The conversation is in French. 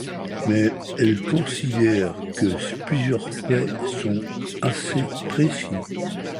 Mais elle considère que plusieurs faits sont assez précis.